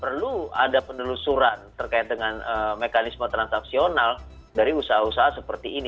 perlu ada penelusuran terkait dengan mekanisme transaksional dari usaha usaha seperti ini